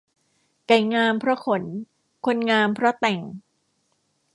ไก่งามเพราะขน คนงามเพราะแต่ง